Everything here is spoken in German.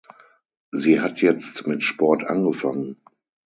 Sie hat jetzt mit Sport angefangen.